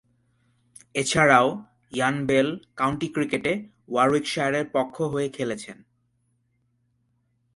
এছাড়াও, Ian Bell county ক্রিকেটে ওয়ারউইকশায়ারের পক্ষ হয়ে খেলছেন।